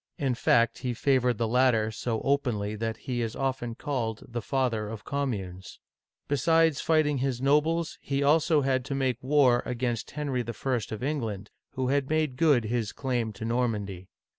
In fact, he favored the latter so openly that he is often called "the Father of Communes." Digitized by Google 114 OLD FRANCE Besides fighting his nobles, he also had to make war against Henry I. of England, who made good his claim to Normandy.